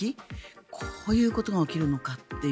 こういうことが起きるのかという。